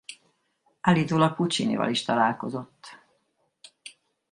Állítólag Puccinival is találkozott.